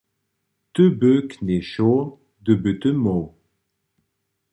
Ty by k njej šoł, hdy by ty móhł.